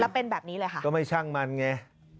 แล้วเป็นแบบนี้เลยค่ะก็ไม่ช่างมันไง